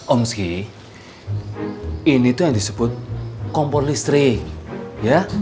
om ski ini tuh yang disebut kompor listrik ya